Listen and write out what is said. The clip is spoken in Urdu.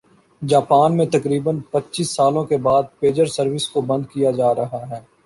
جاپان میں تقریبا ًپچيس سالوں کے بعد پیجر سروس کو بند کیا جا رہا ہے